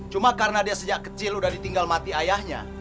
cuma karena dia sejak kecil sudah ditinggal mati ayahnya